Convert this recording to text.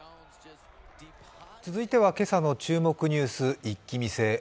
続いては今朝の注目ニュース一気見せ。